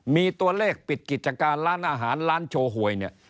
มีตัวเลขปิดกิจการร้านอาหารร้านโชว์หวยเนี่ย